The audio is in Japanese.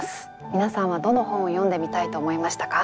皆さんはどの本を読んでみたいと思いましたか？